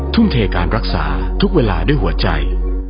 ทุ่มเทการรักษาทุกเวลาด้วยหัวใจ